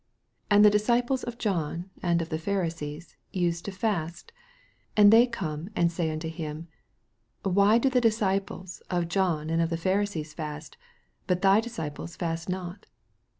18 Ana the disciples of John and of the Pharisees used to fast : and they come and say unto him, Why do the disciples of John and of the Pha risees fust, but thy disciples fast not?